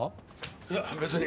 いや別に。